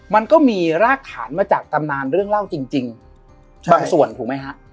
มันก็มีรากฐานมาจากตำนานเรื่องเล่าจริงบางส่วนถูกไหมฮะ